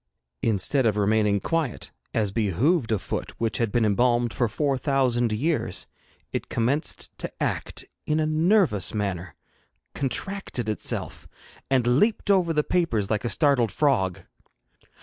Instead of remaining quiet, as behoved a foot which had been embalmed for four thousand years, it commenced to act in a nervous manner, contracted itself, and leaped over the papers like a startled frog.